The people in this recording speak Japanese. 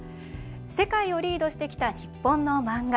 世界をリードしてきた日本の漫画。